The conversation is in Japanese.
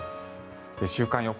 週間予報。